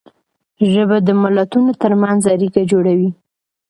ژبه د ملتونو تر منځ اړیکه جوړوي.